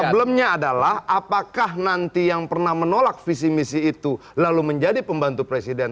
problemnya adalah apakah nanti yang pernah menolak visi misi itu lalu menjadi pembantu presiden